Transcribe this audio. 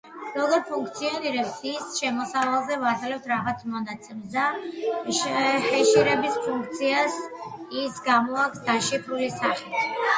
როგორ ფუნქციონირება ის, შესასვლელზე ვაძლევთ რაღაც მონაცემს და ჰეშირების ფუნქციას ის გამოაქვს დაშიფრული სახით.